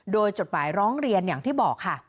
โดยจดหมายร้องเรียนอย่างที่บอกค่ะ